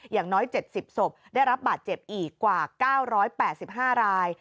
อย่างน้อย๗๐ศพได้รับบาดเจ็บอีกกว่า๙๘๕ราย